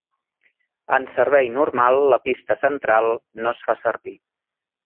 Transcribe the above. En servei normal la pista central no es fa servir.